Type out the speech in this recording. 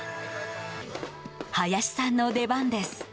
林さんの出番です。